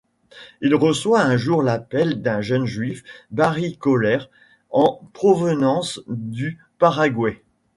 Il reçoit un jour l'appel d'un jeune juif, Barry Kohler, en provenance du Paraguay.